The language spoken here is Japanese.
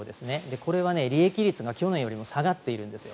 これは利益率が去年よりも下がっているんですよ